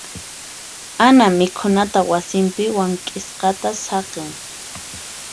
Ana mikhunata wasinpi wank'isqata saqin.